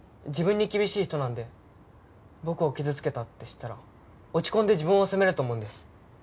自分に厳しい人なんで僕を傷つけたって知ったら落ち込んで自分を責めると思うんです。